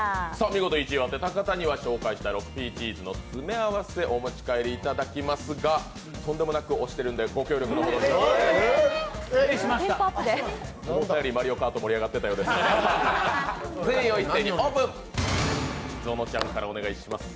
見事１位を当てた方には紹介した６Ｐチーズの詰め合わせをお持ち帰りいただきますが、とんでもなく押してるんでご協力お願いします。